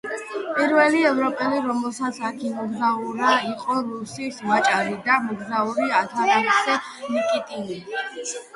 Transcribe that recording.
პირველი ევროპელი, რომელმაც აქ იმოგზაურა იყო რუსი ვაჭარი და მოგზაური ათანასე ნიკიტინი.